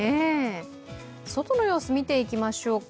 外の様子を見ていきましょうか。